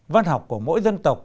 văn học của mỗi dân tộc